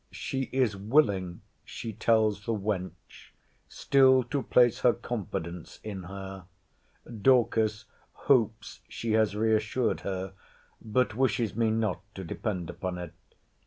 She is willing, she tells the wench, still to place her confidence in her. Dorcas hopes she has re assured her: but wishes me not to depend upon it.